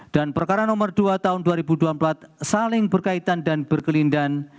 dan perkara nomor dua tahun dua ribu dua puluh empat saling berkaitan dan berkelindahan